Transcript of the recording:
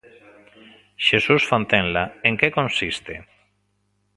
Xesús Fontenla, en que consiste?